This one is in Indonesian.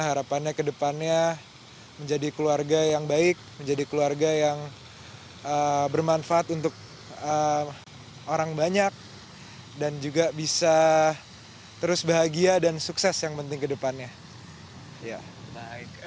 harapannya ke depannya menjadi keluarga yang baik menjadi keluarga yang bermanfaat untuk orang banyak dan juga bisa terus bahagia dan sukses yang penting kedepannya